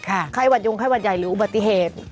ไข้หวัดยงไข้หวัดใหญ่หรืออุบัติเหตุ